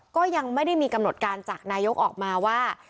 ก็ยังไม่ได้มีกำหนดการจากนายกออกมาว่า